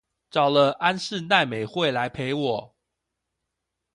找了安室奈美惠來陪我